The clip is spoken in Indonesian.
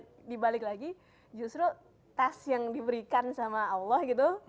kalau misalnya dibalik lagi justru test yang diberikan sama allah gitu